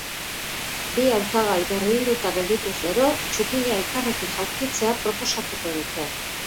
Bi hautagai berdinduta geldituz gero, txupina elkarrekin jaurtitzea proposatuko dute.